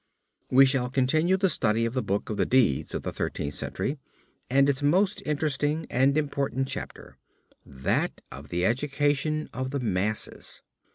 We shall continue the study of the book of the deeds of the Thirteenth Century and its most interesting and important chapter, that of the education of the masses.